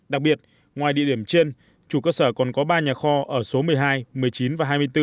đặc biệt ngoài địa điểm trên chủ cơ sở còn có ba nhà kho ở số một mươi hai một mươi chín và hai mươi bốn